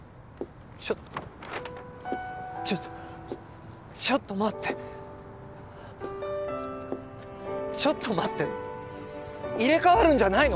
ちょっとちょっとちょっと待ってちょっと待って入れ替わるんじゃないの？